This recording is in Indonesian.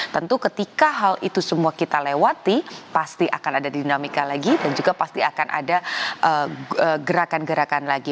tentu ketika hal itu semua kita lewati pasti akan ada dinamika lagi dan juga pasti akan ada gerakan gerakan lagi